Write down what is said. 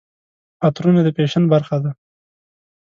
عطرونه د فیشن برخه ده.